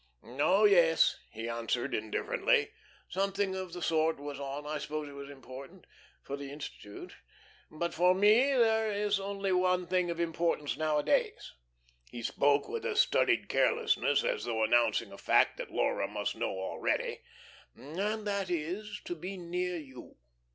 "Oh, yes," he answered, indifferently, "something of the sort was on. I suppose it was important for the Institute. But for me there is only one thing of importance nowadays," he spoke with a studied carelessness, as though announcing a fact that Laura must know already, "and that is, to be near you.